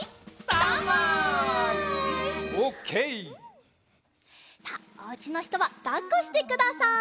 さあおうちのひとはだっこしてください。